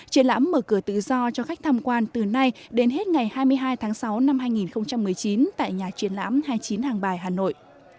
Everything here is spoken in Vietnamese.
triển lãm mở cửa tự do cho khách tham quan từ nay đến hết ngày hai mươi hai tháng sáu năm hai nghìn một mươi chín tại nhà triển lãm hai mươi chín hàng bài hà nội